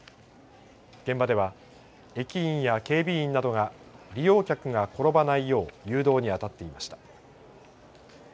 現場では、駅員や警備員などが利用客が転ばないよう誘導に当たっていました。